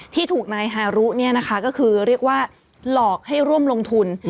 ที่ถูกนัยหารุเนี่ยนะคะก็คือเรียกว่าหลอกให้ร่วมลงทุน